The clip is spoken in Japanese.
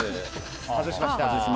外しました。